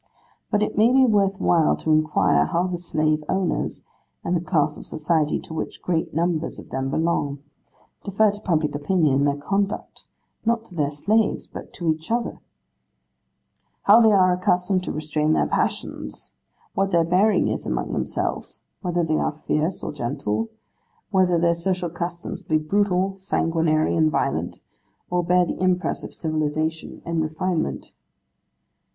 But it may be worth while to inquire how the slave owners, and the class of society to which great numbers of them belong, defer to public opinion in their conduct, not to their slaves but to each other; how they are accustomed to restrain their passions; what their bearing is among themselves; whether they are fierce or gentle; whether their social customs be brutal, sanguinary, and violent, or bear the impress of civilisation and refinement.